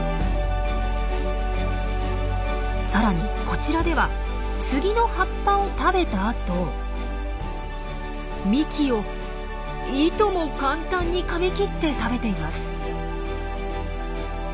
さらにこちらではスギの葉っぱを食べたあと幹をいとも簡単にかみ切って食べています。